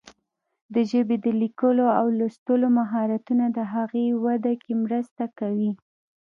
د ژبې د لیکلو او لوستلو مهارتونه د هغې وده کې مرسته کوي.